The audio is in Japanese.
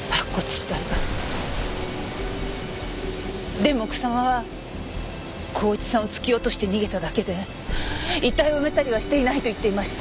でも草間は孝一さんを突き落として逃げただけで遺体を埋めたりはしていないと言っていました。